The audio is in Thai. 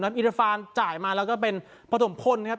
นะครับอีรฟานจ่ายมาแล้วก็เป็นพจมพนนะครับ